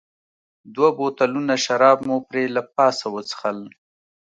دوه بوتلونه شراب مو پرې له پاسه وڅښل.